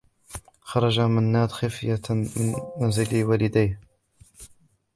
خرج منّاد خفية من منزل والديه.